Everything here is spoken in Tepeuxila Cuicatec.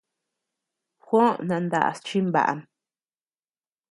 Juó nandaʼas chimbaʼam.